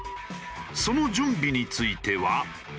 その準備については。